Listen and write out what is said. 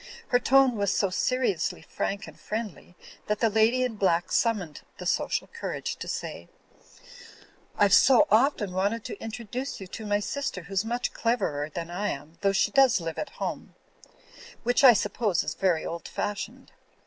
Her tone was so seriously frank and friendly that the lady in black summoned the social courage to say: 'Tve so often wanted to introduce you to my sister who's much cleverer than I am, though she does live at home; which I suppose is very old fashioned.